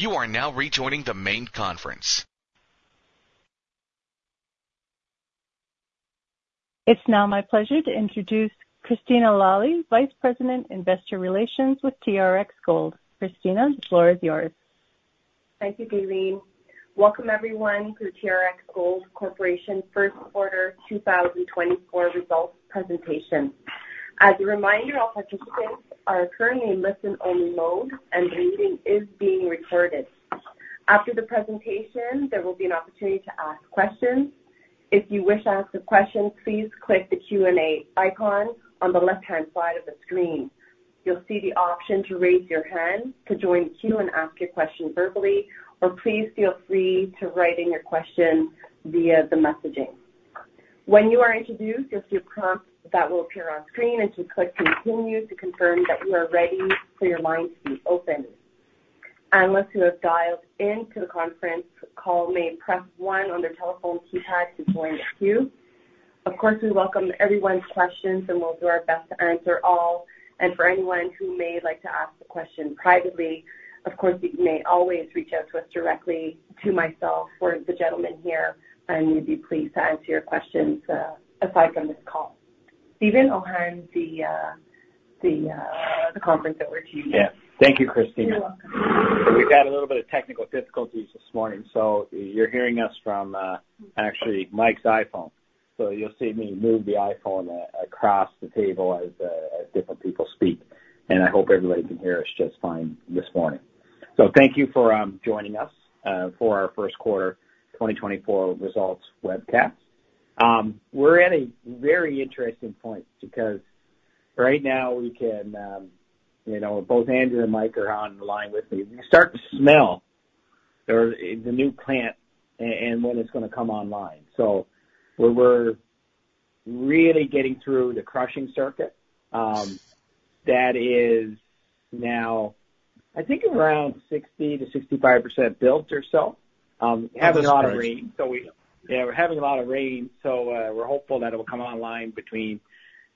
You are now rejoining the main conference. It's now my pleasure to introduce Christina Lalli, Vice President, Investor Relations with TRX Gold. Christina, the floor is yours. Thank you, Gaelene. Welcome, everyone, to the TRX Gold Corporation Q1 2024 results presentation. As a reminder, all participants are currently in listen-only mode, and the meeting is being recorded. After the presentation, there will be an opportunity to ask questions. If you wish to ask a question, please click the Q&A icon on the left-hand side of the screen. You'll see the option to raise your hand to join the queue and ask your question verbally, or please feel free to write in your question via the messaging. When you are introduced, you'll see a prompt that will appear on screen, and to click "continue" to confirm that you are ready for your line to be open. Analysts who have dialed into the conference call may press one on their telephone keypad to join the queue. Of course, we welcome everyone's questions, and we'll do our best to answer all. And for anyone who may like to ask a question privately, of course, you may always reach out to us directly to myself or the gentleman here, and we'd be pleased to answer your questions aside from this call. Steven—the conference that we're doing. Yeah. Thank you, Christina. You're welcome. So we've had a little bit of technical difficulties this morning, so you're hearing us from, actually, Mike's iPhone. So you'll see me move the iPhone across the table as different people speak, and I hope everybody can hear us just fine this morning. So thank you for joining us for our Q1 2024 results webcast. We're at a very interesting point because right now we can, you know, both Andrew and Mike are on the line with me. We start to smell of the new plant and when it's gonna come online. So, we're really getting through the crushing circuit that is now, I think, around 60%-65% built or so. Having a lot of rain, so we— Yeah, we're having a lot of rain, so we're hopeful that it will come online between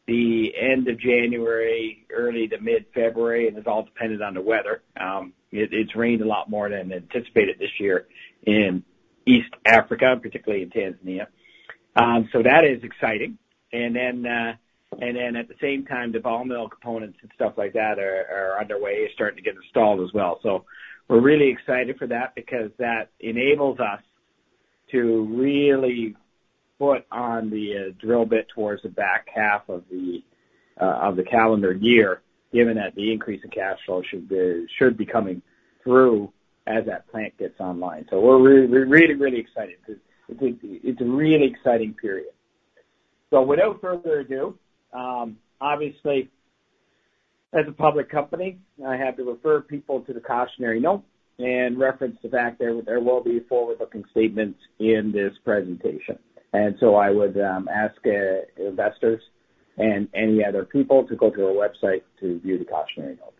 the end of January, early to mid-February, and it's all dependent on the weather. It's rained a lot more than anticipated this year in East Africa, particularly in Tanzania. So, that is exciting. And then, and then at the same time, the ball mill components and stuff like that are underway, starting to get installed as well. So we're really excited for that because that enables us to really put on the drill bit towards the back half of the calendar year, given that the increase in cash flow should be coming through as that plant gets online. So we're really, we're really, really excited because it's a really exciting period. So without further ado, obviously, as a public company, I have to refer people to the cautionary note and reference the fact that there will be forward-looking statements in this presentation. And so I would ask investors and any other people to go to our website to view the cautionary note.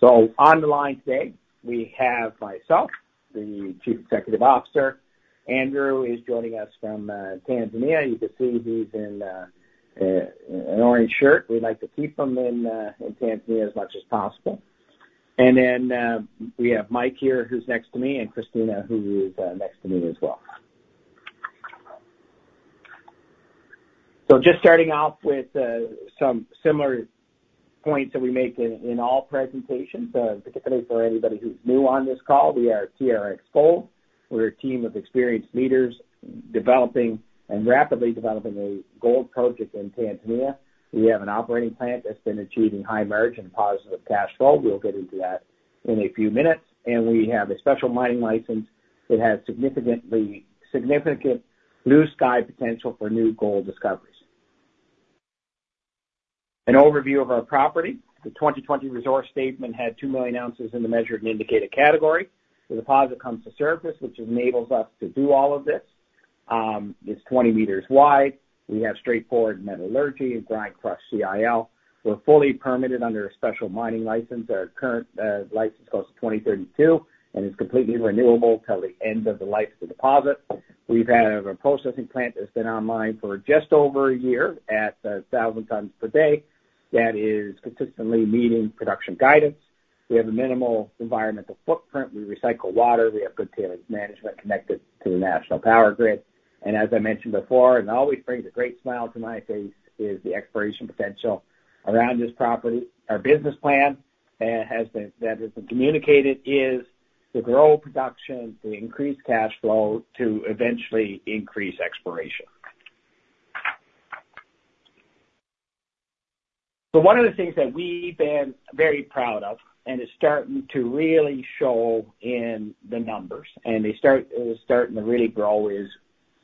So on the line today, we have myself, the Chief Executive Officer. Andrew is joining us from Tanzania. You can see he's in an orange shirt. We like to keep him in Tanzania as much as possible. And then we have Mike here, who's next to me, and Christina, who is next to me as well. So, just starting off with some similar points that we make in all presentations, particularly for anybody who's new on this call, we are TRX Gold. We're a team of experienced leaders, developing and rapidly developing a gold project in Tanzania. We have an operating plant that's been achieving high-margin, positive cash flow. We'll get into that in a few minutes. And we have a Special Mining License that has significant blue sky potential for new gold discoveries. An overview of our property. The 2020 resource statement had 2 million ounces in the Measured and Indicated category. The deposit comes to surface, which enables us to do all of this. It's 20 meters wide. We have straightforward metallurgy, grind, crush, CIL. We're fully permitted under a Special Mining License. Our current license goes to 2032, and it's completely renewable till the end of the life of the deposit. We've had a processing plant that's been online for just over a year at 1,000 tons per day. That is consistently meeting production guidance. We have a minimal environmental footprint. We recycle water. We have good tails management connected to the national power grid. And as I mentioned before, and always brings a great smile to my face, is the exploration potential around this property. Our business plan has been communicated, is to grow production, to increase cash flow, to eventually increase exploration. So one of the things that we've been very proud of, and it's starting to really show in the numbers, and they're starting to really grow, is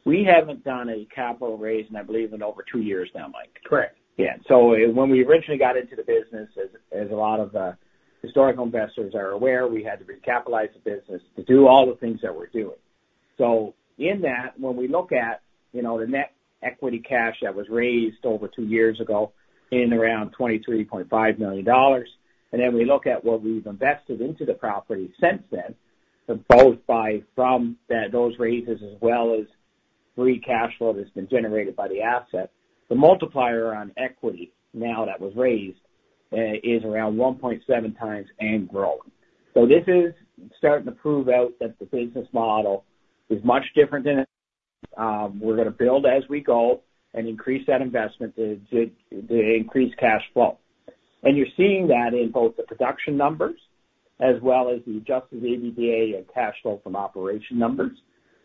we haven't done a capital raise, and I believe in over two years now, Mike. Correct. Yeah. So when we originally got into the business, as a lot of historical investors are aware, we had to recapitalize the business to do all the things that we're doing. So in that, when we look at, you know, the net equity cash that was raised over two years ago in around $23.5 million, and then we look at what we've invested into the property since then, both by from those raises as well as free cash flow that's been generated by the asset, the multiplier on equity now that was raised is around 1.7x and growing. So, this is starting to prove out that the business model is much different than it. We're gonna build as we go and increase that investment to increase cash flow. You're seeing that in both the production numbers as well as the adjusted EBITDA and cash flow from operation numbers.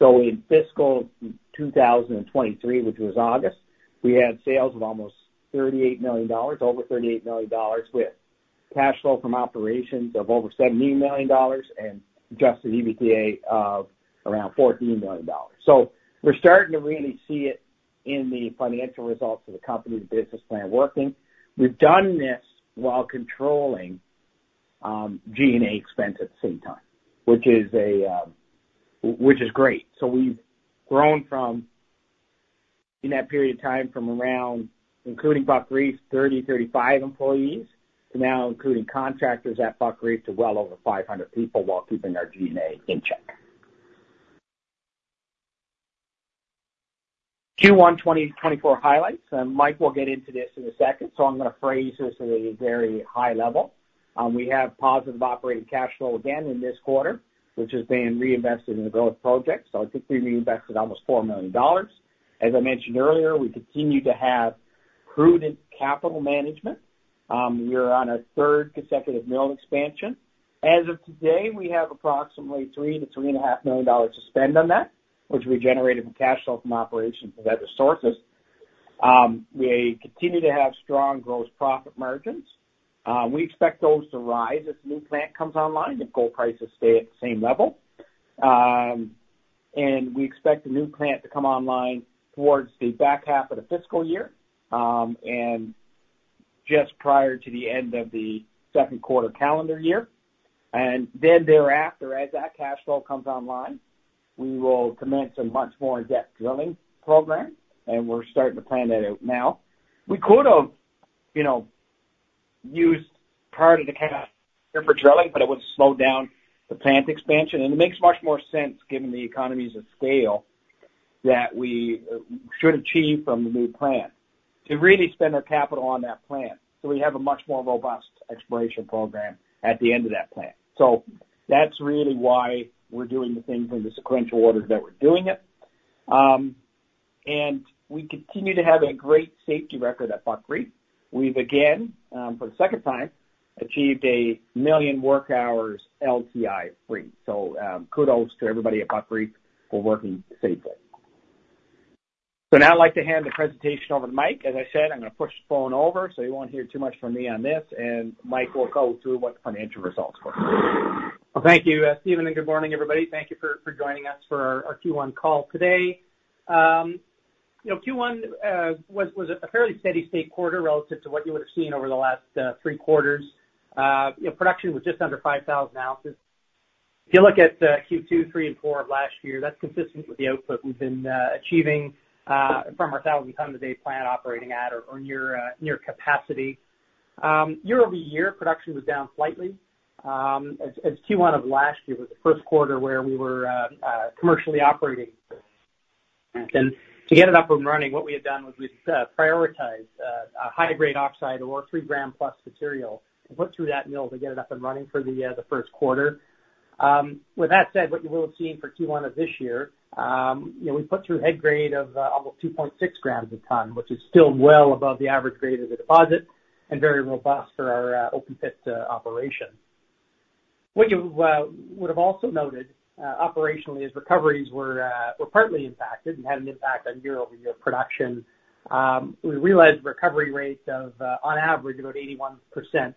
In fiscal 2023, which was August, we had sales of almost $38 million, over $38 million, with cash flow from operations of over $70 million and adjusted EBITDA of around $14 million. We're starting to really see it in the financial results of the company's business plan working. We've done this while controlling G&A expense at the same time, which is great. We've grown from, in that period of time, from around, including Buckreef, 30-35 employees to now, including contractors at Buckreef, to well over 500 people while keeping our G&A in check. Q1 2024 highlights, and Mike will get into this in a second, so I'm gonna phrase this at a very high level. We have positive operating cash flow again in this quarter, which is being reinvested in the growth project. So, I think we reinvested almost $4 million. As I mentioned earlier, we continue to have prudent capital management. We are on our third consecutive mill expansion. As of today, we have approximately $3 million-$3.5 million to spend on that, which we generated from cash flow from operations and other sources. We continue to have strong gross profit margins. We expect those to rise as the new plant comes online, if gold prices stay at the same level. We expect the new plant to come online towards the back half of the fiscal year, and just prior to the end of the Q2 calendar year. Then thereafter, as that cash flow comes online, we will commence a much more in-depth drilling program, and we're starting to plan that out now. We could have, you know, used part of the cash for drilling, but it would slow down the plant expansion, and it makes much more sense, given the economies of scale, that we should achieve from the new plant to really spend our capital on that plant, so we have a much more robust exploration program at the end of that plant. So, that's really why we're doing the things in the sequential order that we're doing it. We continue to have a great safety record at Buckreef. We've again, for the second time, achieved a million work hours LTI free. So, kudos to everybody at Buckreef for working safely. So now I'd like to hand the presentation over to Mike. As I said, I'm gonna push the phone over, so you won't hear too much from me on this, and Mike will go through what the financial results were. Well, thank you, Stephen, and good morning, everybody. Thank you for joining us for our Q1 call today. You know, Q1 was a fairly steady state quarter relative to what you would've seen over the last three quarters. You know, production was just under 5,000 ounces. If you look at Q2, Q3 and Q4 of last year, that's consistent with the output we've been achieving from our 1,000 ton a day plant operating at or near capacity. Year-over-year, production was down slightly. As Q1 of last year was the Q1 where we were commercially operating. To get it up and running, what we had done was we'd prioritized a high grade oxide ore, 3 g plus material, to put through that mill to get it up and running for the Q1. With that said, what you will have seen for Q1 of this year, you know, we put through head grade of almost 2.6 grams a ton, which is still well above the average grade of the deposit and very robust for our open pit operation. What you would have also noted operationally is recoveries were partly impacted and had an impact on year-over-year production. We realized recovery rates of, on average, about 81%,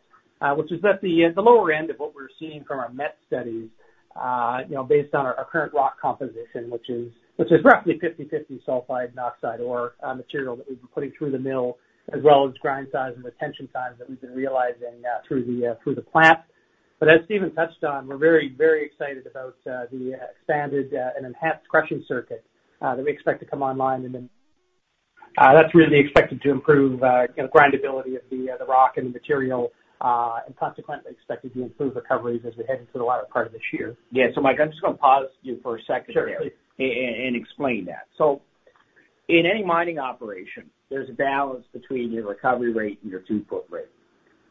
which is at the lower end of what we're seeing from our Met Studies, you know, based on our current rock composition, which is roughly 50/50 sulfide and oxide ore material that we've been putting through the mill, as well as grind size and retention times that we've been realizing through the plant. But as Stephen touched on, we're very, very excited about the expanded and enhanced crushing circuit that we expect to come online in the—that's really expected to improve, you know, grindability of the rock and the material, and consequently expected to improve recoveries as we head into the latter part of this year. Yeah. So Mike, I'm just gonna pause you for a second— Sure. And explain that. So, in any mining operation, there's a balance between your recovery rate and your throughput rate.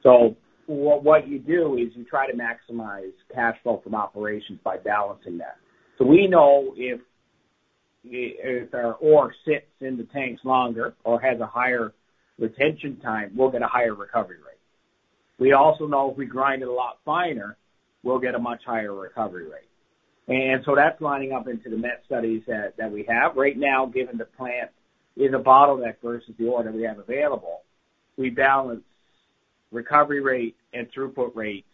So, what you do is you try to maximize cash flow from operations by balancing that. So, we know if our ore sits in the tanks longer or has a higher retention time, we'll get a higher recovery rate. We also know if we grind it a lot finer, we'll get a much higher recovery rate. And so that's lining up into the met studies that we have. Right now, given the plant is a bottleneck versus the ore we have available, we balance recovery rate and throughput rates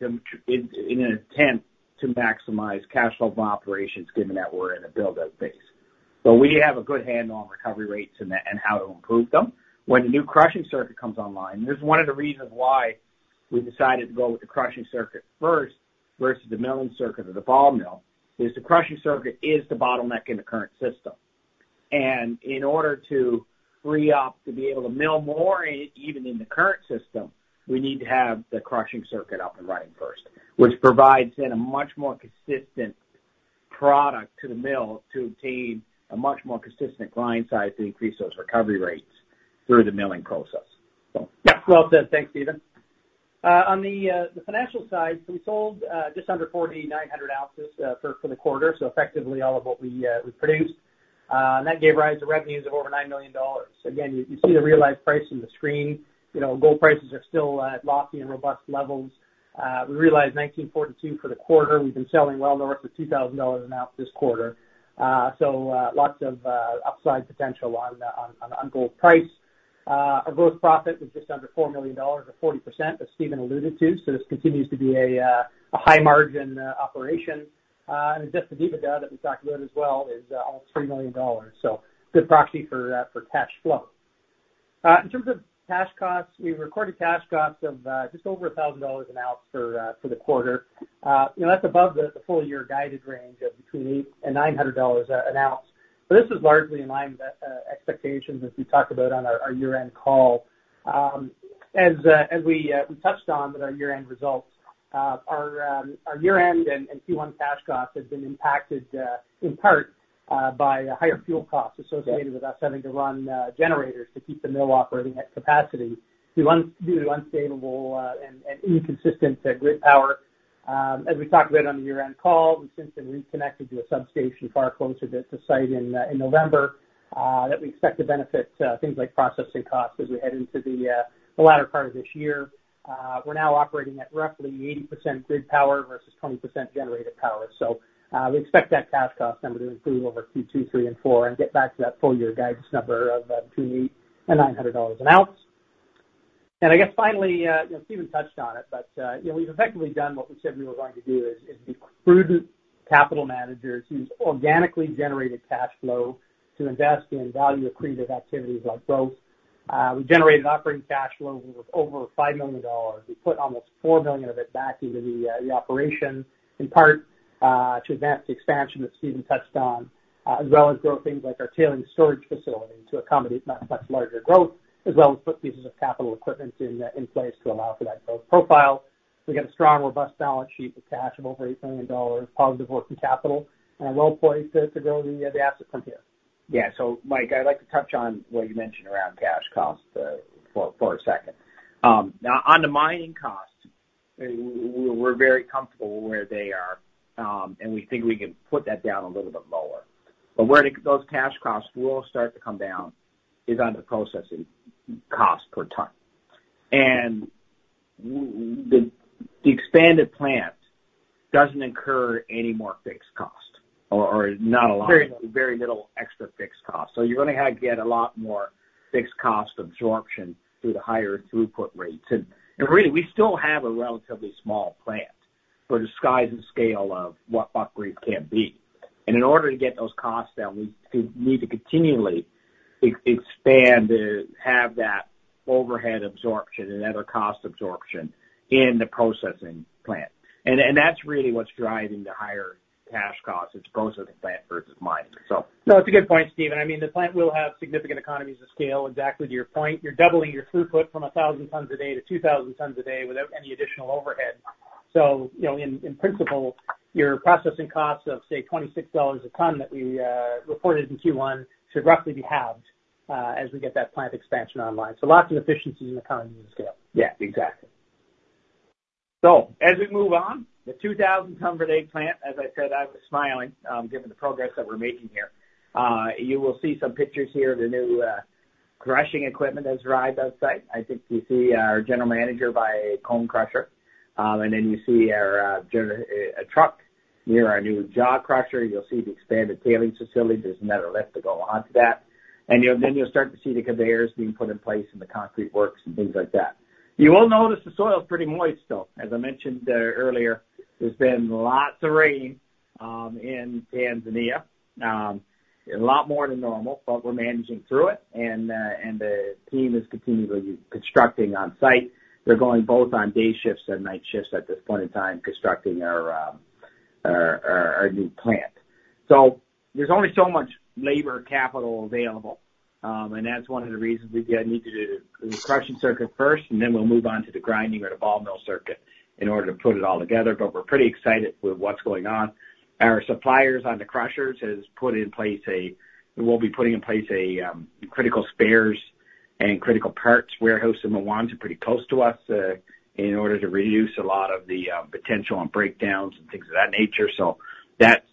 in an attempt to maximize cash flow from operations, given that we're in a build-out phase. But we have a good handle on recovery rates and how to improve them. When the new crushing circuit comes online, this is one of the reasons why we decided to go with the crushing circuit first, versus the milling circuit or the ball mill, is the crushing circuit is the bottleneck in the current system. In order to free up to be able to mill more, even in the current system, we need to have the crushing circuit up and running first, which provides then a much more consistent product to the mill to obtain a much more consistent grind size to increase those recovery rates through the milling process. So yep. Well said. Thanks, Stephen. On the financial side, we sold just under 4,900 ounces for the quarter, so effectively all of what we produced. And that gave rise to revenues of over $9 million. Again, you see the realized price in the screen. You know, gold prices are still at lofty and robust levels. We realized $1,942 for the quarter. We've been selling well north of $2,000 an ounce this quarter. So, lots of upside potential on the gold price. Our gross profit was just under $4 million or 40%, as Stephen alluded to, so this continues to be a high margin operation. And adjusted EBITDA that we talked about as well is almost $3 million. So good proxy for, for cash flow. In terms of cash costs, we recorded cash costs of, just over $1,000 an ounce for, for the quarter. You know, that's above the, the full year guided range of between $800 and $900 an ounce. But this is largely in line with, expectations as we talked about on our, our year-end call. As, as we, we touched on with our year-end results, our, our year-end and, and Q1 cash costs have been impacted, in part, by higher fuel costs associated with us having to run, generators to keep the mill operating at capacity due to unstable, and, and inconsistent, grid power. As we talked about on the year-end call, we've since been reconnected to a substation far closer to site in November that we expect to benefit things like processing costs as we head into the latter part of this year. We're now operating at roughly 80% grid power versus 20% generated power. So, we expect that cash cost number to improve over Q2, Q3, and Q4, and get back to that full year guidance number of between $800-$900 an ounce. And I guess finally, you know, Stephen touched on it, but, you know, we've effectively done what we said we were going to do is be prudent capital managers use organically generated cash flow to invest in value accretive activities like growth. We generated operating cash flow with over $5 million. We put almost $4 million of it back into the operation, in part, to advance the expansion that Stephen touched on, as well as grow things like our tailings storage facility to accommodate much, much larger growth, as well as put pieces of capital equipment in place to allow for that growth profile. We've got a strong, robust balance sheet with cash of over $8 million, positive working capital, and a well-placed ability of the asset from here. Yeah. So Mike, I'd like to touch on what you mentioned around cash costs for a second. Now, on the mining costs, we're very comfortable where they are, and we think we can put that down a little bit lower. But where those cash costs will start to come down is on the processing cost per ton. And the expanded plant doesn't incur any more fixed costs or not a lot. Very little extra fixed costs. So you're gonna have to get a lot more fixed cost absorption through the higher throughput rates. And really, we still have a relatively small plant for the size and scale of what Buckreef can be. And in order to get those costs down, we need to continually expand and have that overhead absorption and other cost absorption in the processing plant. And that's really what's driving the higher cash costs. It's processing plant versus mining. So— No, it's a good point, Steven. I mean, the plant will have significant economies of scale, exactly to your point. You're doubling your throughput from 1,000 tons a day to 2,000 tons a day without any additional overhead. So you know, in principle, your processing costs of, say, $26 a ton that we reported in Q1 should roughly be halved as we get that plant expansion online. So lots of efficiencies in the economy and scale. Yeah, exactly. So as we move on, the 2,000 ton per day plant, as I said, I was smiling, given the progress that we're making here. You will see some pictures here of the new crushing equipment that's arrived on site. I think you see our general manager by a cone crusher, and then you see our a truck near our new jaw crusher. You'll see the expanded tailings facility. There's another lift to go onto that. And you'll—Then you'll start to see the conveyors being put in place, and the concrete works and things like that. You will notice the soil is pretty moist, though. As I mentioned earlier, there's been lots of rain in Tanzania, a lot more than normal, but we're managing through it, and the team is continually constructing on site. They're going both on day shifts and night shifts at this point in time, constructing our new plant. So, there's only so much labor capital available, and that's one of the reasons we need to do the crushing circuit first, and then we'll move on to the grinding or the ball mill circuit in order to put it all together. But we're pretty excited with what's going on. Our suppliers on the crushers has put in place a, will be putting in place a critical spares and critical parts warehouse, and the ones are pretty close to us, in order to reduce a lot of the potential on breakdowns and things of that nature. So, that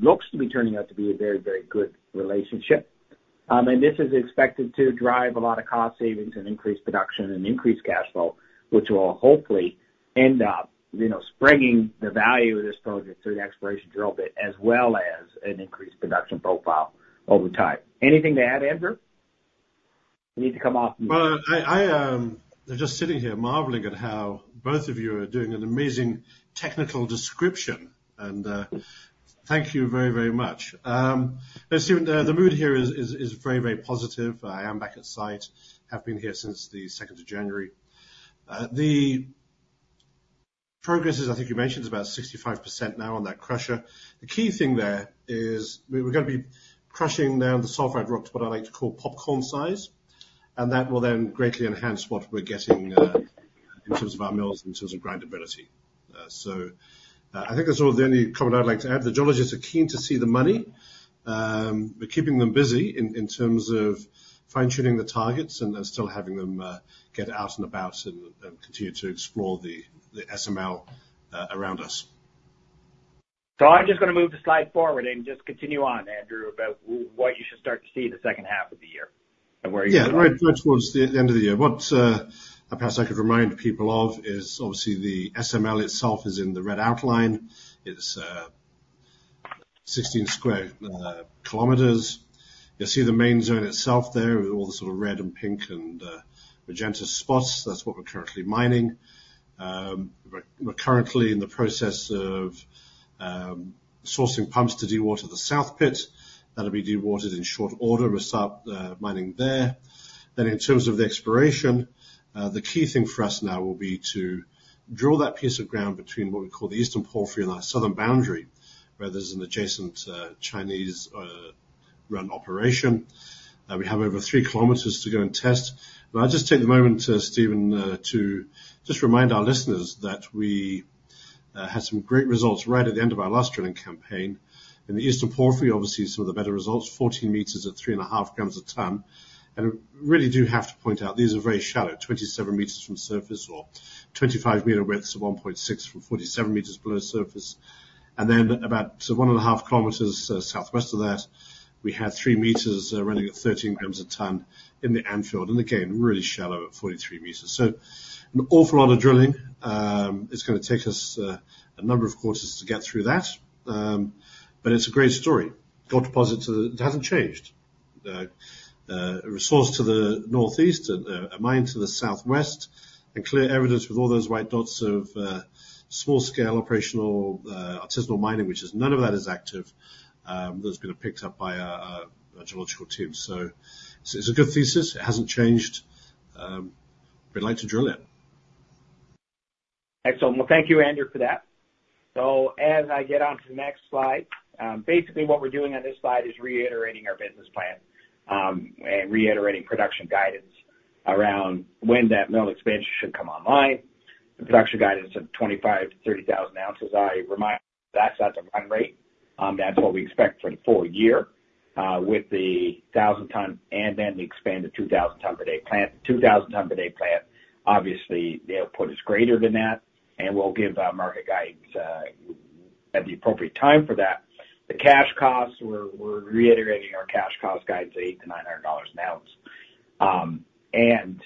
looks to be turning out to be a very, very good relationship. And this is expected to drive a lot of cost savings and increased production and increased cash flow, which will hopefully end up, you know, springing the value of this project through the exploration drill bit, as well as an increased production profile over time. Anything to add, Andrew? You need to come off mute. Well, I was just sitting here marveling at how both of you are doing an amazing technical description, and thank you very, very much. But Steven, the mood here is very, very positive. I am back at site, have been here since the 2nd of January. Progress, as I think you mentioned, is about 65% now on that crusher. The key thing there is we're gonna be crushing down the sulfide rocks, what I like to call popcorn size, and that will then greatly enhance what we're getting in terms of our mills, in terms of grindability. So, I think that's all the only comment I'd like to add. The geologists are keen to see the money. We're keeping them busy in terms of fine-tuning the targets and then still having them get out and about and continue to explore the SML around us. So, I'm just gonna move the slide forward and just continue on, Andrew, about what you should start to see in the second half of the year and where you— Yeah, right, right towards the end of the year. What, perhaps I could remind people of is obviously the SML itself is in the red outline. It's 16 sq km. You'll see the Main Zone itself there with all the sort of red and pink and magenta spots. That's what we're currently mining. We're, we're currently in the process of sourcing pumps to dewater the south pit. That'll be dewatered in short order. We'll start, mining there. Then in terms of the exploration, the key thing for us now will be to drill that piece of ground between what we call the Eastern Porphyry and our southern boundary where there's an adjacent, Chinese-run operation. We have over 3 km to go and test. But I'll just take the moment, Stephen, to just remind our listeners that we had some great results right at the end of our last drilling campaign. In the Eastern Porphyry, obviously, some of the better results, 14 m at 3.5 g/t. And really do have to point out, these are very shallow, 27 m from surface or 25-m widths of 1.6 g/t from 47 m below surface. And then about 1.5 km southwest of that, we had 3 m running at 13 g/t in the Anfield. And again, really shallow at 43 m. So, an awful lot of drilling. It's gonna take us a number of quarters to get through that, but it's a great story. Gold deposits doesn't changed. A resource to the northeast and a mine to the southwest, and clear evidence with all those white dots of small scale operational artisanal mining, which is none of that is active, that's been picked up by our geological team. So it's a good thesis. It hasn't changed, we'd like to drill it. Excellent. Well, thank you, Andrew, for that. So as I get onto the next slide, basically what we're doing on this slide is reiterating our business plan, and reiterating production guidance around when that mill expansion should come online. The production guidance of 25,000-30,000 ounces, I remind you, that's at the run rate. That's what we expect for the full year, with the 1,000-ton, and then the expanded 2,000-ton per day plant. 2,000-ton per day plant, obviously, the output is greater than that, and we'll give our market guidance, at the appropriate time for that. The cash costs, we're, we're reiterating our cash cost guidance of $800-$900 an ounce.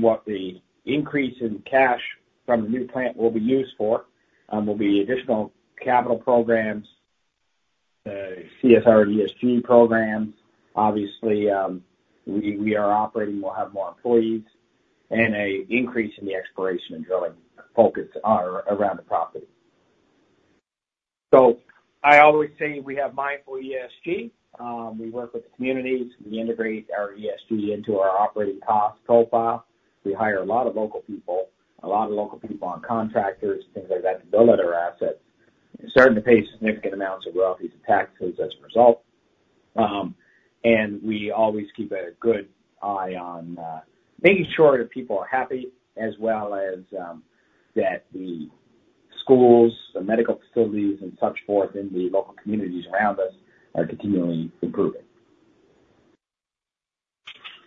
What the increase in cash from the new plant will be used for will be additional capital programs, CSR and ESG programs. Obviously, we are operating; we'll have more employees, and an increase in the exploration and drilling focus around the property. So I always say we have mindful ESG. We work with the communities; we integrate our ESG into our operating costs, COPA. We hire a lot of local people, a lot of local people on contractors, things like that, to build our assets. We're starting to pay significant amounts of royalties and taxes as a result. And we always keep a good eye on making sure that people are happy, as well as that the schools, the medical facilities, and so forth in the local communities around us are continually improving.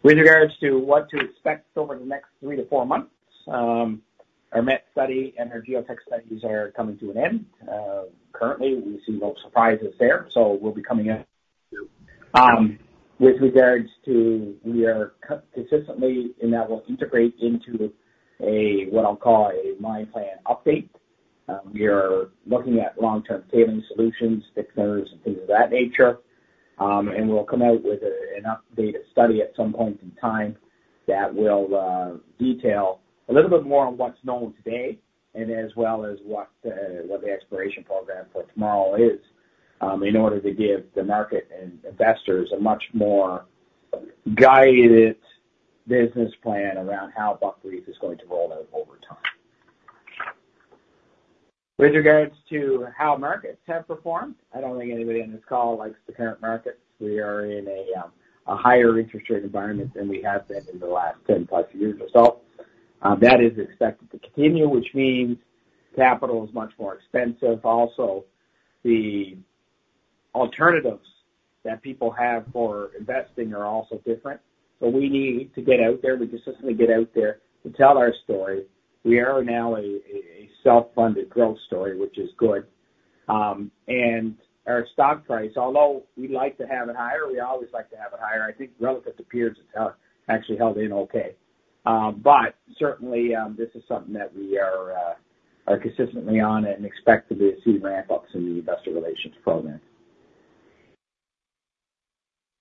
With regards to what to expect over the next three to four months, our Met Study and our Geotech Studies are coming to an end. Currently, we see no surprises there, so we'll be coming out. With regards to, we are consistently, and that will integrate into what I'll call a mine plan update. We are looking at long-term tailings solutions, thickeners, and things of that nature. And we'll come out with an updated study at some point in time that will detail a little bit more on what's known today, and as well as what the exploration program for tomorrow is, in order to give the market and investors a much more guided business plan around how Buckreef is going to roll out over time. With regards to how markets have performed, I don't think anybody on this call likes the current markets. We are in a higher interest rate environment than we have been in the last 10 plus years or so. That is expected to continue, which means capital is much more expensive. Also, the alternatives that people have for investing are also different. So, we need to get out there, we consistently get out there to tell our story. We are now a self-funded growth story, which is good. And our stock price, although we like to have it higher, we always like to have it higher, I think relative to peers, it's actually held in okay. But certainly, this is something that we are consistently on and expect to see ramp up in the investor relations program.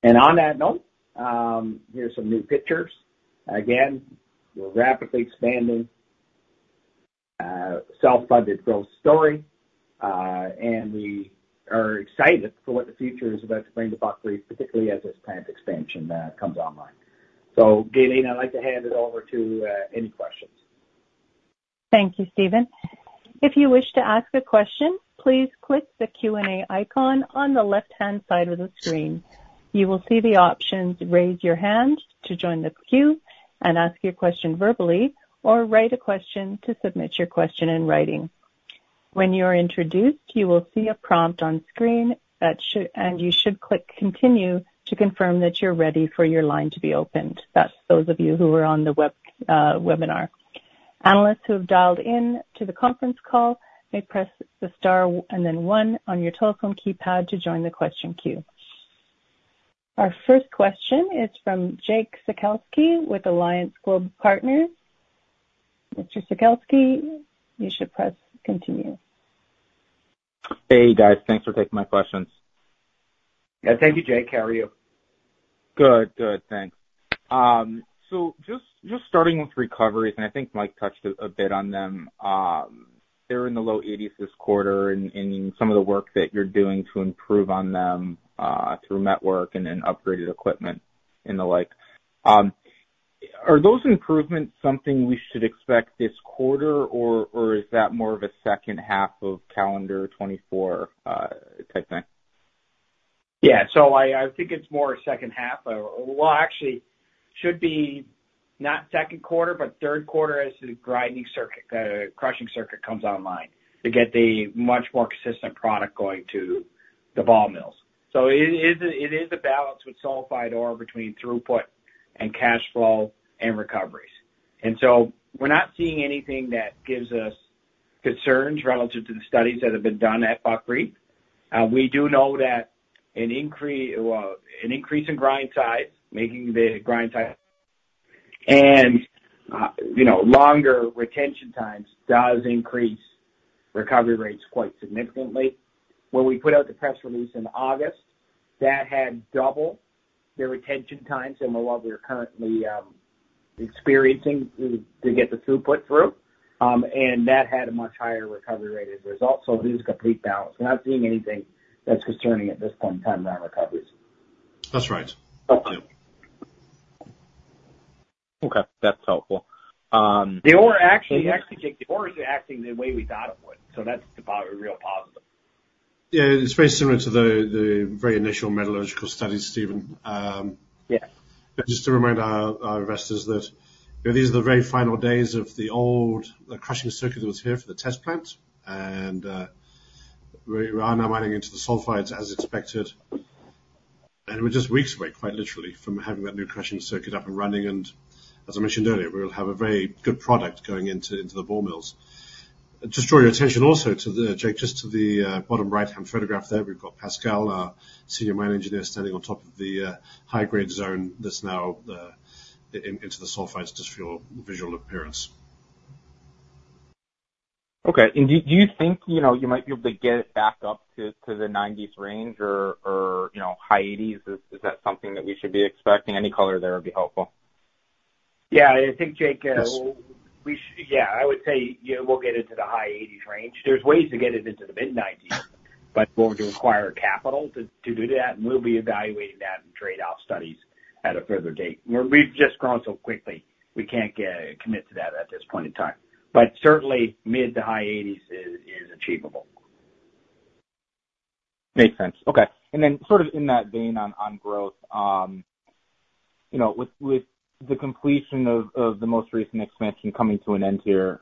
And on that note, here's some new pictures. Again, we're rapidly expanding, self-funded growth story, and we are excited for what the future is about to bring to Buckreef, particularly as this plant expansion comes online. So Gaelene, I'd like to hand it over to any questions. Thank you, Stephen. If you wish to ask a question, please click the Q&A icon on the left-hand side of the screen. You will see the options, raise your hand to join the queue and ask your question verbally, or write a question to submit your question in writing. When you are introduced, you will see a prompt on screen that should—and you should click "continue", to confirm that you're ready for your line to be opened. That's those of you who are on the web, webinar. Analysts who have dialed in to the conference call, may press the star and then one on your telephone keypad to join the question queue. Our first question is from Jake Sekelsky, with Alliance Global Partners. Mr. Sekelsky, you should press "continue". Hey, guys. Thanks for taking my questions. Yeah. Thank you, Jake. How are you? Good. Good, thanks. So just, just starting with recoveries, and I think Mike touched a bit on them. They're in the low 80s% this quarter, and some of the work that you're doing to improve on them, through throughput and then upgraded equipment and the like. Are those improvements something we should expect this quarter, or is that more of a second half of calendar 2024 type thing? Yeah. So I think it's more a second half. Well, actually, should be not Q2, but Q3 as the grinding circuit, crushing circuit comes online, to get the much more consistent product going to the ball mills. So, it is a balance with sulfide ore between throughput and cash flow and recoveries. So we're not seeing anything that gives us concerns relative to the studies that have been done at Buckreef. We do know that an increase, well, an increase in grind size, making the grind size, and, you know, longer retention times does increase recovery rates quite significantly. When we put out the press release in August, that had double the retention times and what we are currently experiencing to get the throughput through. And that had a much higher recovery rate as a result, so it is a complete balance. We're not seeing anything that's concerning at this point in time around recoveries. That's right. Okay, that's helpful. The ore actually, actually Jake, the ore is acting the way we thought it would, so that's about a real positive. Yeah, it's very similar to the very initial Metallurgical Studies, Stephen. Yeah. Just to remind our investors that, you know, these are the very final days of the old crushing circuit that was here for the test plant. We are now mining into the sulfides as expected, and we're just weeks away, quite literally, from having that new crushing circuit up and running. As I mentioned earlier, we'll have a very good product going into the ball mills. Just draw your attention also to the, Jake, just to the bottom right-hand photograph there. We've got Pascal, our senior mine engineer, standing on top of the high-grade zone that's now into the sulfides. Just for your visual appearance. Okay. And do you think, you know, you might be able to get it back up to the 90s range or, you know, high 80s? Is that something that we should be expecting? Any color there would be helpful. Yeah, I think, Jake. Yes. Yeah, I would say, yeah, we'll get into the high 80s range. There's ways to get it into the mid-90s, but it would require capital to do that, and we'll be evaluating that in trade-off studies at a further date. We've just grown so quickly, we can't commit to that at this point in time. But certainly, mid- to high 80s is achievable. Makes sense. Okay. And then sort of in that vein, on growth, you know, with the completion of the most recent expansion coming to an end here,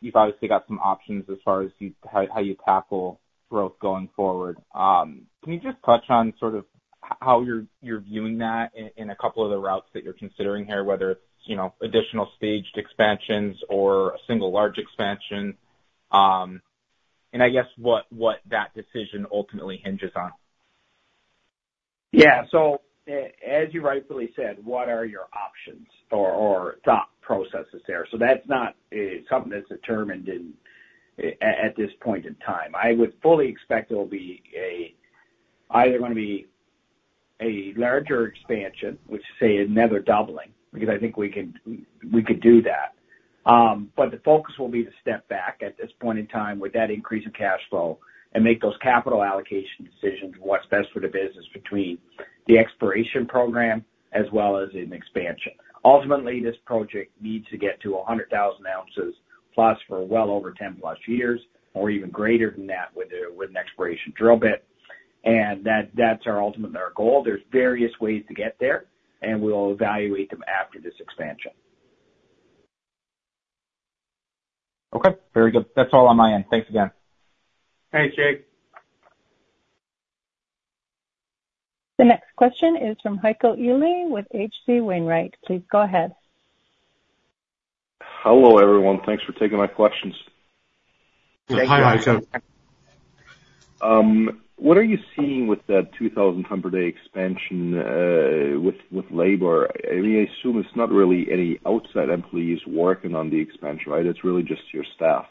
you've obviously got some options as far as how you tackle growth going forward. Can you just touch on sort of how you're viewing that in a couple of the routes that you're considering here, whether it's, you know, additional staged expansions or a single large expansion, and I guess, what that decision ultimately hinges on? Yeah. So as you rightfully said, what are your options or thought processes there? So that's not something that's determined in at this point in time. I would fully expect there will be either gonna be a larger expansion, which say, another doubling, because I think we could do that. But the focus will be to step back at this point in time with that increase of cash flow and make those capital allocation decisions, what's best for the business between the exploration program as well as an expansion. Ultimately, this project needs to get to 100,000 ounces plus for well over 10 plus years, or even greater than that, with an exploration drill bit. And that's our ultimate goal. There's various ways to get there, and we'll evaluate them after this expansion. Okay, very good. That's all on my end. Thanks again. Thanks, Jake. The next question is from Heiko Ihle, with H.C. Wainwright. Please go ahead. Hello, everyone. Thanks for taking my questions. Hi, Heiko. Hi. What are you seeing with that 2,000 ton per day expansion, with labor? I assume it's not really any outside employees working on the expansion, right? It's really just your staff.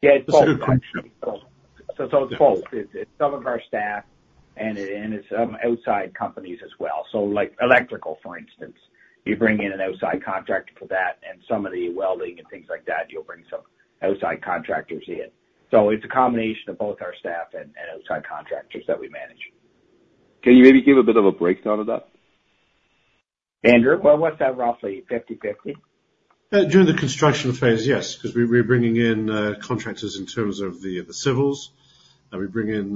Yeah. So it's both. It's some of our staff and some outside companies as well. So like electrical, for instance, you bring in an outside contractor for that, and some of the welding and things like that, you'll bring some outside contractors in. So it's a combination of both our staff and outside contractors that we manage. Can you maybe give a bit of a breakdown of that? Andrew, well, what's that roughly, 50/50? During the construction phase, yes, 'cause we're bringing in contractors in terms of the civils. We bring in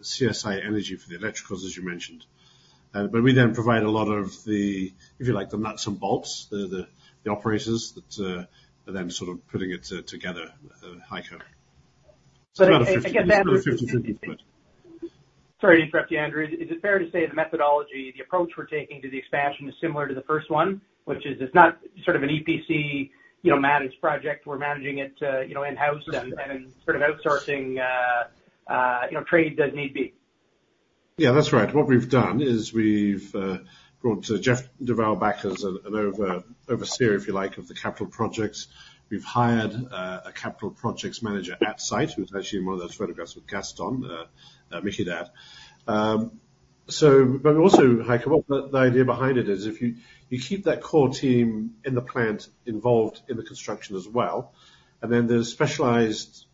CSI Energy for the electricals, as you mentioned. But we then provide a lot of the, if you like, the nuts and bolts, the operators that are then sort of putting it together, Heiko. So, again, Andrew— 50, 50/50. Sorry to interrupt you, Andrew. Is it fair to say the methodology, the approach we're taking to the expansion is similar to the first one, which is it's not sort of an EPC, you know, managed project. We're managing it, you know, in-house— Yes. —and, and sort of outsourcing, you know, trade as need be. Yeah, that's right. What we've done is we've brought Jeff Duval back as an overseer, if you like, of the capital projects. We've hired a capital projects manager at site, who's actually in one of those photographs with Gaston, Mikidadi. So but also, Heiko, what the idea behind it is, if you keep that core team in the plant involved in the construction as well, and then those specialized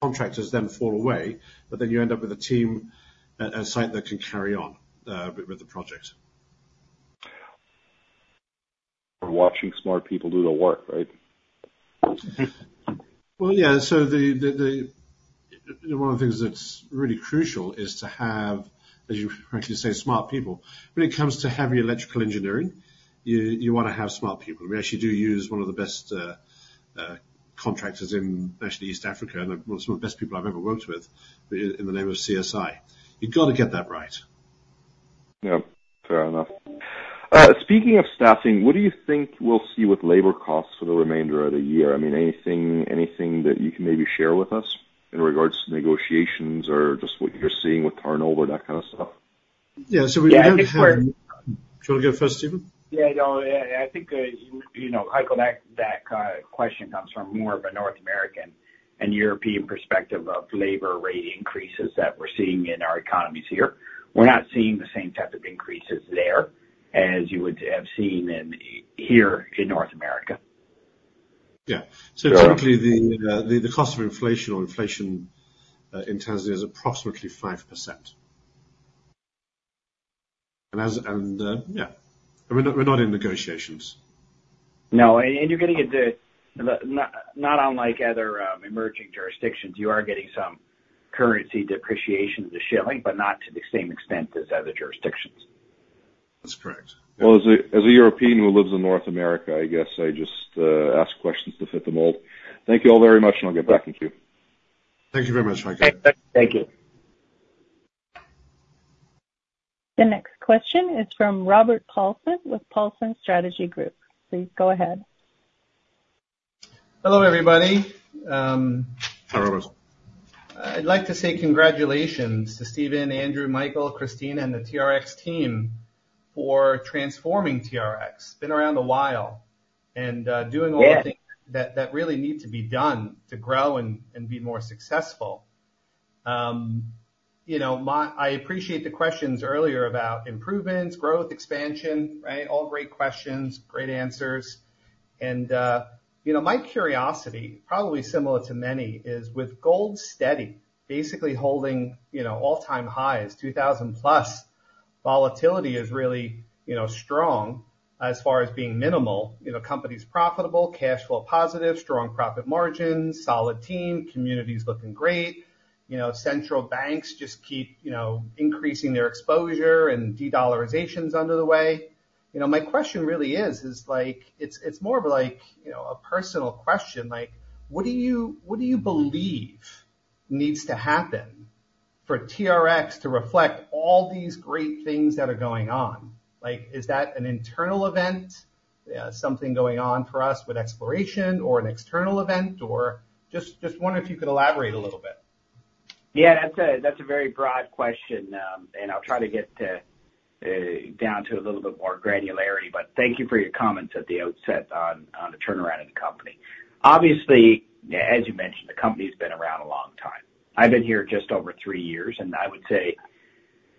contractors then fall away, but then you end up with a team at site that can carry on with the project. We're watching smart people do the work, right? Well, yeah, so one of the things that's really crucial is to have, as you correctly say, smart people. When it comes to heavy electrical engineering, you wanna have smart people. We actually do use one of the best contractors in actually East Africa, and one of some of the best people I've ever worked with, in the name of CSI. You've got to get that right. Yeah, fair enough. Speaking of staffing, what do you think we'll see with labor costs for the remainder of the year? I mean, anything, anything that you can maybe share with us in regards to negotiations or just what you're seeing with turnover, that kind of stuff? Yeah, so we do have— Yeah, I think we're— Do you want to go first, Stephen? Yeah, no, I think, you know, Heiko, that question comes from more of a North American and European perspective of labor rate increases that we're seeing in our economies here. We're not seeing the same type of increases there as you would have seen here in North America. Yeah. All right. So typically, the cost of inflation or inflation in Tanzania is approximately 5%. And we're not in negotiations. No, and you're getting at the not unlike other emerging jurisdictions, you are getting some currency depreciation of the shilling, but not to the same extent as other jurisdictions. That's correct. Well, as a European who lives in North America, I guess I just ask questions to fit the mold. Thank you all very much, and I'll get back in queue. Thank you very much, Heiko. Thank you. The next question is from Robert Paulson with Paulson Strategy Group. Please go ahead. Hello, everybody. Hi, Robert. I'd like to say congratulations to Stephen, Andrew, Michael, Christina, and the TRX team for transforming TRX. It's been around a while, and— Yeah. —doing all the things that really need to be done to grow and be more successful. You know, my—I appreciate the questions earlier about improvements, growth, expansion, right? All great questions, great answers, and, you know, my curiosity, probably similar to many, is with gold steady, basically holding, you know, all-time highs, 2,000 plus, volatility is really, you know, strong as far as being minimal. You know, company's profitable, cash flow positive, strong profit margins, solid team, community's looking great. You know, central banks just keep, you know, increasing their exposure, and de-dollarization is underway. You know, my question really is like, it's more of like, you know, a personal question, like: What do you, what do you believe needs to happen for TRX to reflect all these great things that are going on? Like, is that an internal event, something going on for us with exploration or an external event, or just, just wonder if you could elaborate a little bit? Yeah, that's a very broad question, and I'll try to get down to a little bit more granularity, but thank you for your comments at the outset on the turnaround of the company. Obviously, as you mentioned, the company's been around a long time. I've been here just over three years, and I would say,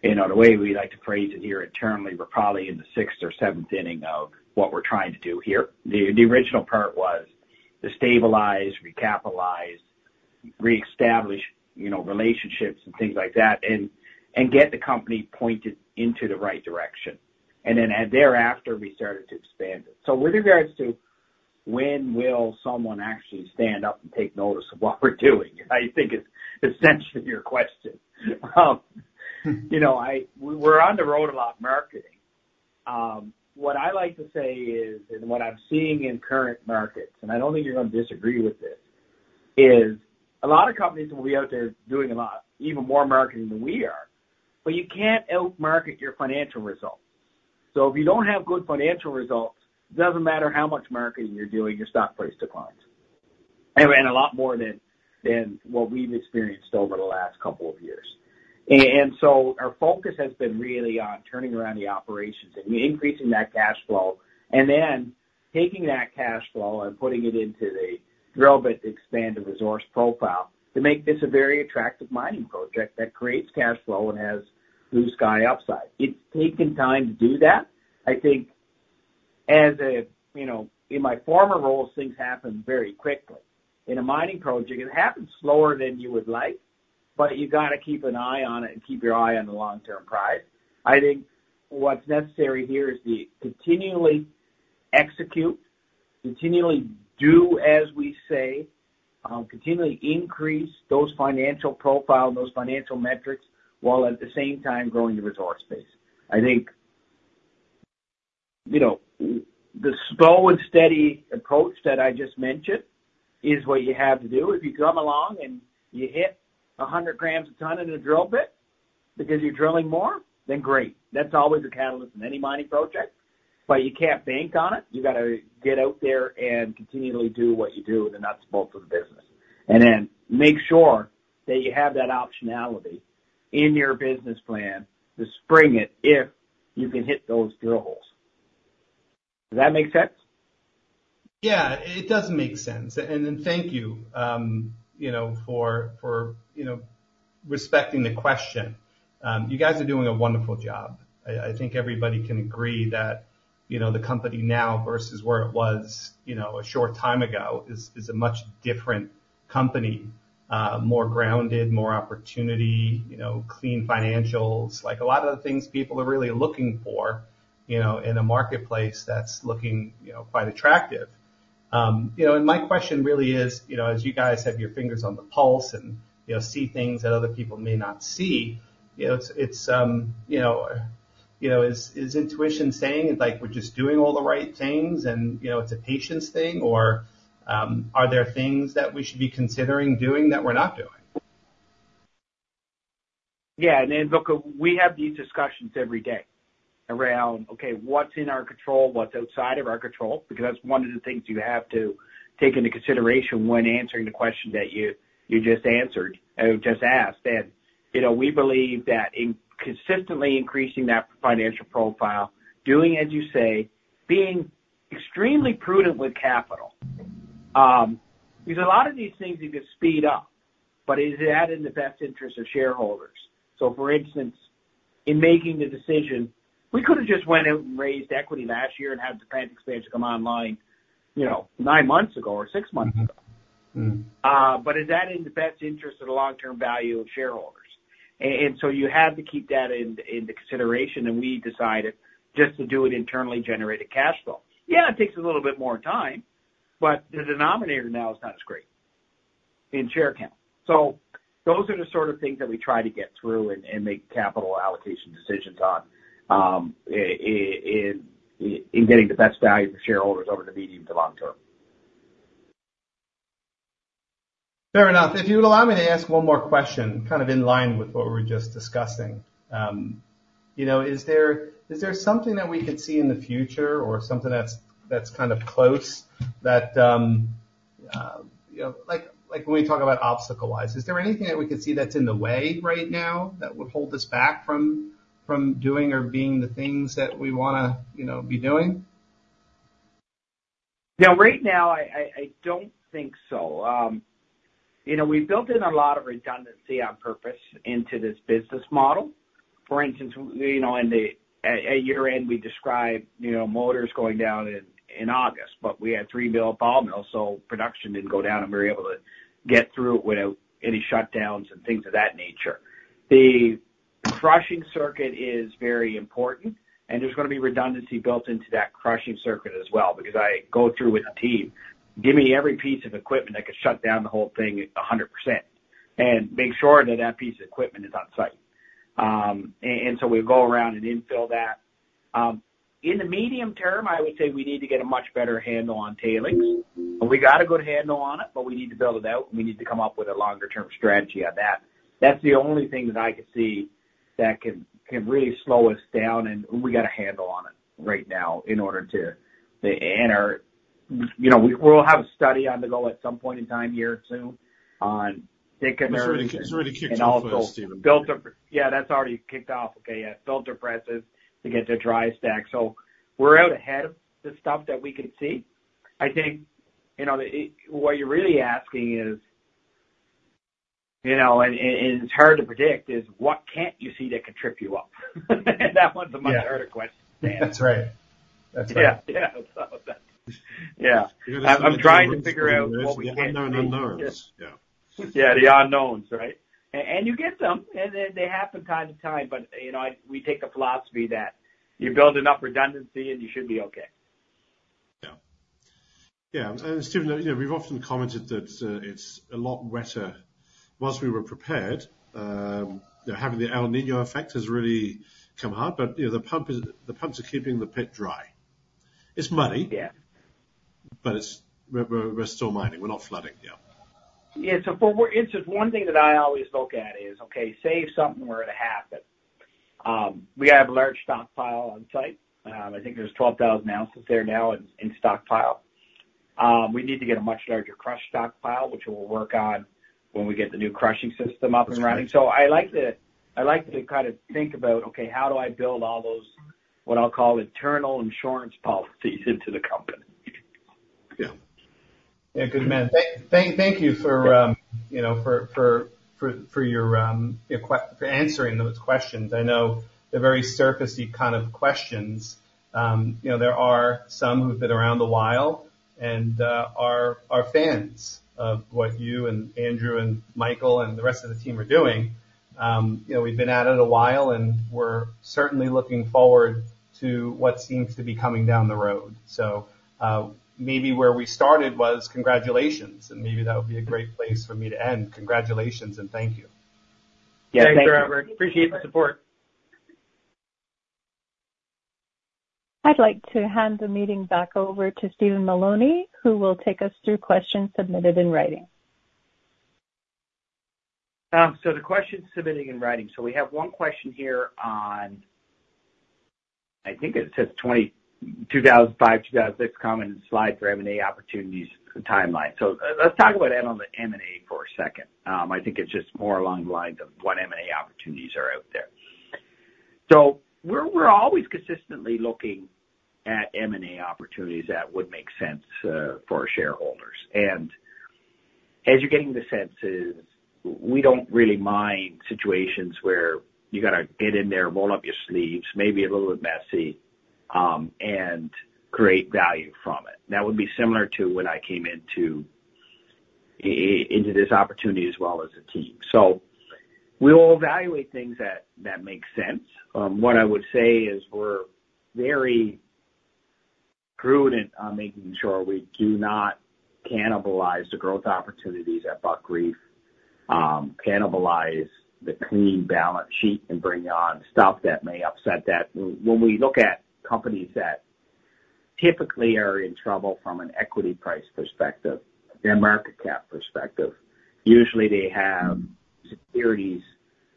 you know, the way we like to phrase it here internally, we're probably in the sixth or seventh inning of what we're trying to do here. The original part was to stabilize, recapitalize, reestablish, you know, relationships and things like that, and get the company pointed into the right direction. Then thereafter, we started to expand it. So with regards to when will someone actually stand up and take notice of what we're doing, I think is essentially your question. You know, we're on the road a lot marketing. What I like to say is, and what I'm seeing in current markets, and I don't think you're gonna disagree with this, is a lot of companies will be out there doing a lot, even more marketing than we are, but you can't outmarket your financial results. So if you don't have good financial results, it doesn't matter how much marketing you're doing, your stock price declines. And a lot more than what we've experienced over the last couple of years. And so our focus has been really on turning around the operations and increasing that cash flow, and then taking that cash flow and putting it into the drill bit to expand the resource profile, to make this a very attractive mining project that creates cash flow and has blue sky upside. It's taken time to do that. I think as a, you know, in my former roles, things happened very quickly. In a mining project, it happens slower than you would like, but you gotta keep an eye on it and keep your eye on the long-term prize. I think what's necessary here is to continually execute, continually do as we say, continually increase those financial profile and those financial metrics, while at the same time growing the resource base. I think, you know, the slow and steady approach that I just mentioned is what you have to do. If you come along and you hit 100 grams a ton in a drill bit because you're drilling more, then great. That's always a catalyst in any mining project, but you can't bank on it. You gotta get out there and continually do what you do, and that's the bulk of the business. And then make sure that you have that optionality in your business plan to spring it if you can hit those drill holes. Does that make sense? Yeah, it does make sense. And then thank you, you know, for respecting the question. You guys are doing a wonderful job. I think everybody can agree that, you know, the company now versus where it was, you know, a short time ago, is a much different company. More grounded, more opportunity, you know, clean financials, like a lot of the things people are really looking for, you know, in a marketplace that's looking, you know, quite attractive. You know, and my question really is, you know, as you guys have your fingers on the pulse and, you know, see things that other people may not see, you know, it's you know, you know, is intuition saying, like, we're just doing all the right things and, you know, it's a patience thing, or are there things that we should be considering doing that we're not doing? Yeah, and then, look, we have these discussions every day around, okay, what's in our control? What's outside of our control? Because that's one of the things you have to take into consideration when answering the question that you, you just answered, just asked. And, you know, we believe that in consistently increasing that financial profile, doing as you say, being extremely prudent with capital, because a lot of these things you can speed up, but is it out in the best interest of shareholders? So, for instance, in making the decision, we could have just went out and raised equity last year and had the plant expansion come online, you know, nine months ago or six months ago. But is that in the best interest of the long-term value of shareholders? And so you have to keep that into consideration, and we decided just to do it internally, generate a cash flow. Yeah, it takes a little bit more time, but the denominator now is not as great in share count. So those are the sort of things that we try to get through and make capital allocation decisions on, in getting the best value for shareholders over the medium to long term. Fair enough. If you'd allow me to ask one more question, kind of in line with what we were just discussing. You know, is there, is there something that we could see in the future or something that's, that's kind of close that, you know, like, like when we talk about obstacle-wise, is there anything that we could see that's in the way right now that would hold us back from, from doing or being the things that we wanna, you know, be doing? Yeah, right now, I don't think so. You know, we've built in a lot of redundancy on purpose into this business model. For instance, you know, at year-end, we described, you know, motors going down in August, but we had three ball mills, so production didn't go down, and we were able to get through it without any shutdowns and things of that nature. The crushing circuit is very important, and there's gonna be redundancy built into that crushing circuit as well, because I go through with the team, "Give me every piece of equipment that could shut down the whole thing 100%, and make sure that that piece of equipment is on site." And so we go around and infill that. In the medium term, I would say we need to get a much better handle on tailings. We got a good handle on it, but we need to build it out, and we need to come up with a longer term strategy on that. That's the only thing that I could see that can really slow us down, and we got a handle on it right now in order to... you know, we'll have a study on the go at some point in time here soon on thickeners- It's already kicked off for us, Stephen. Yeah, that's already kicked off. Okay, yeah, filter presses to get to dry stack. So we're out ahead of the stuff that we can see. I think, you know, it—what you're really asking is, you know, and it's hard to predict, is what can't you see that could trip you up? And that one's a much harder question. That's right. That's right. Yeah. Yeah. Yeah. Because— I'm trying to figure out what we can't see. —the unknown unknowns. Yeah. Yeah, the unknowns, right? And you get them, and they happen time to time, but you know, we take the philosophy that you build enough redundancy, and you should be okay. Yeah. Yeah. And Steven, you know, we've often commented that it's a lot wetter. While we were prepared, you know, having the El Niño effect has really come hard, but, you know, the pumps are keeping the pit dry. It's muddy— Yeah. We're still mining. We're not flooding yet. Yeah, so but we're. It's just one thing that I always look at is, okay, say if something were to happen. We have a large stockpile on site. I think there's 12,000 ounces there now in stockpile. We need to get a much larger crush stockpile, which we'll work on when we get the new crushing system up and running. So I like to, I like to kind of think about, okay, how do I build all those, what I'll call internal insurance policies into the company? Yeah. Yeah. Good man. Thank you for answering those questions. I know they're very surfacey kind of questions. You know, there are some who've been around a while and are fans of what you and Andrew, and Michael, and the rest of the team are doing. You know, we've been at it a while, and we're certainly looking forward to what seems to be coming down the road. So, maybe where we started was congratulations, and maybe that would be a great place for me to end. Congratulations, and thank you. Yeah. Thanks, Robert. Appreciate the support. I'd like to hand the meeting back over to Stephen Mullowney, who will take us through questions submitted in writing. The questions submitted in writing. We have one question here on, I think it says 2025, 2026, comment and slide for M&A opportunities timeline. Let's talk about that on the M&A for a second. I think it's just more along the lines of what M&A opportunities are out there. We're always consistently looking at M&A opportunities that would make sense for our shareholders. And as you're getting the sense, we don't really mind situations where you gotta get in there, roll up your sleeves, maybe a little bit messy, and create value from it. That would be similar to when I came into into this opportunity as well as a team. We will evaluate things that make sense. What I would say is we're very prudent on making sure we do not cannibalize the growth opportunities at Buckreef, cannibalize the clean balance sheet and bring on stuff that may upset that. When we look at companies that typically are in trouble from an equity price perspective, their market cap perspective, usually they have securities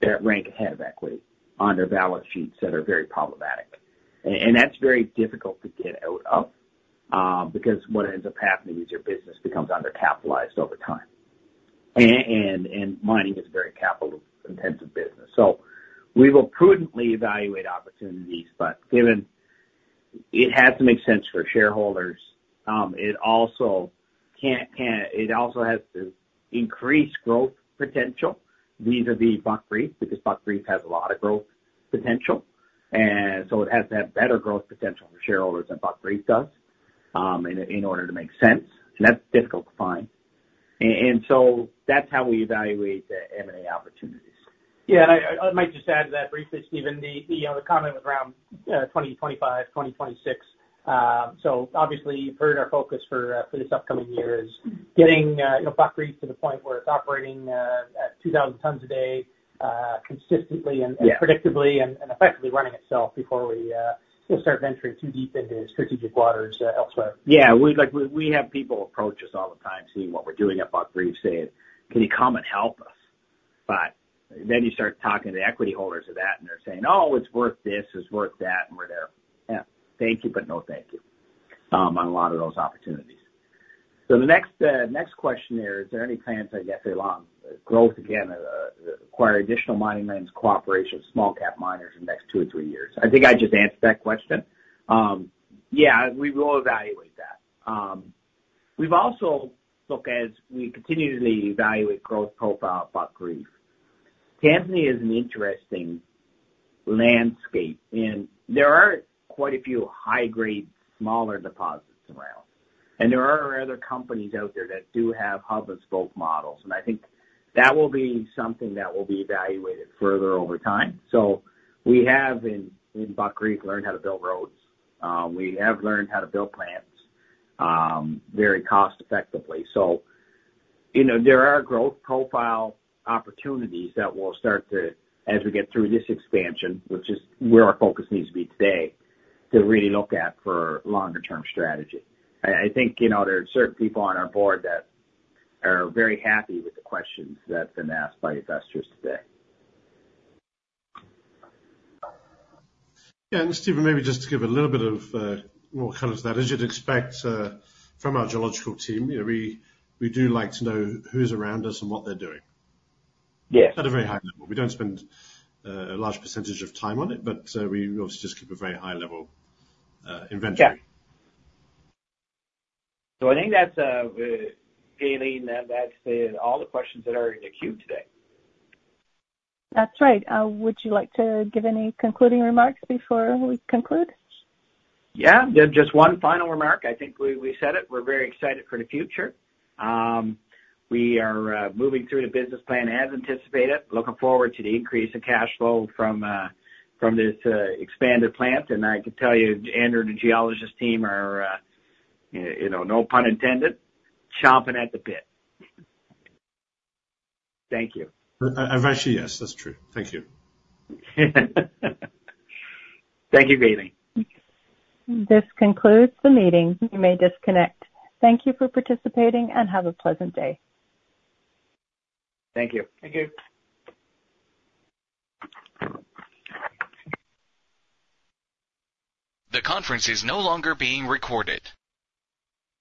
that rank ahead of equity on their balance sheets that are very problematic. And that's very difficult to get out of, because what ends up happening is your business becomes undercapitalized over time. And mining is a very capital-intensive business. So we will prudently evaluate opportunities, but given it has to make sense for shareholders, it also can't, can... It also has to increase growth potential vis-à-vis Buckreef, because Buckreef has a lot of growth potential, and so it has to have better growth potential for shareholders than Buckreef does, in order to make sense, and that's difficult to find. And so that's how we evaluate the M&A opportunities. Yeah, and I, I might just add to that briefly, Stephen, you know, the comment around 2025, 2026. So obviously, you've heard our focus for this upcoming year is getting, you know, Buckreef to the point where it's operating at 2,000 tons a day consistently and— Yeah. —predictably and effectively running itself before we start venturing too deep into strategic waters elsewhere. Yeah. We'd like, we, we have people approach us all the time, seeing what we're doing at Buckreef, saying: "Can you come and help us?" But then you start talking to the equity holders of that, and they're saying, "Oh, it's worth this, it's worth that," and we're there, "Yeah. Thank you, but no, thank you," on a lot of those opportunities. So, the next, next question there, "Is there any plans, I guess, along growth, again, acquire additional mining lands, cooperation with small cap miners in the next two or three years?" I think I just answered that question. Yeah, we will evaluate that. We've also look as we continuously evaluate growth profile at Buckreef. Tanzania is an interesting landscape, and there are quite a few high-grade, smaller deposits around, and there are other companies out there that do have Hub-and-Spoke models, and I think that will be something that will be evaluated further over time. So we have in Buckreef learned how to build roads. We have learned how to build plants very cost effectively. So, you know, there are growth profile opportunities that will start to, as we get through this expansion, which is where our focus needs to be today, to really look at for longer term strategy. I think, you know, there are certain people on our board that are very happy with the questions that have been asked by investors today. Yeah, and Stephen, maybe just to give a little bit of more color to that, as you'd expect, from our geological team, you know, we do like to know who's around us and what they're doing. Yes. At a very high level. We don't spend a large percentage of time on it, but we obviously just keep a very high-level inventory. Yeah. So, I think that's, Bailey, that's all the questions that are in the queue today. That's right. Would you like to give any concluding remarks before we conclude? Yeah, just one final remark. I think we said it. We're very excited for the future. We are moving through the business plan as anticipated. Looking forward to the increase in cash flow from this expanded plant. And I can tell you, Andrew and the geologist team are, you know, no pun intended, chomping at the bit. Thank you. Actually, yes, that's true. Thank you. Thank you, Gaelene. This concludes the meeting. You may disconnect. Thank you for participating and have a pleasant day. Thank you. Thank you. The conference is no longer being recorded.